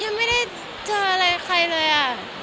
ยังไม่ได้เจอใครเลยอะ